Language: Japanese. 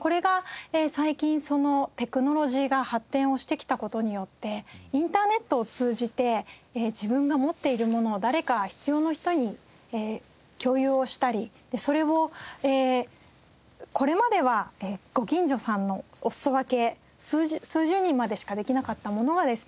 これが最近テクノロジーが発展をしてきた事によってインターネットを通じて自分が持っているものを誰か必要な人に共有をしたりでそれをこれまではご近所さんのおすそ分け数十人までしかできなかったものがですね